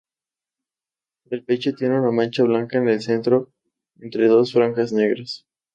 El pecho tiene una mancha blanca en el centro entre dos franjas negras.